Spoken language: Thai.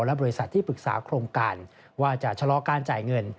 และบริษัทที่ปรึกษาโครงการว่าจะชะลอการจ่ายเงิน